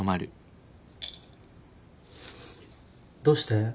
どうして？